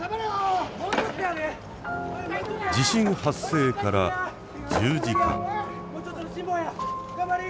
地震発生から１０時間。